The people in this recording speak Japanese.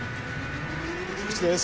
菊地です。